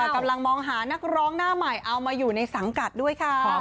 กำลังมองหานักร้องหน้าใหม่เอามาอยู่ในสังกัดด้วยค่ะ